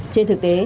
trên thực tiên